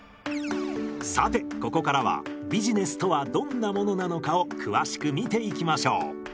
さてここからはビジネスとはどんなものなのかを詳しく見ていきましょう。